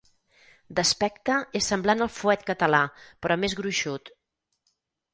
D'aspecte és semblant al fuet català però més gruixut.